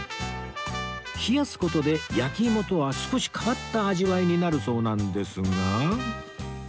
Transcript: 冷やす事で焼いもとは少し変わった味わいになるそうなんですが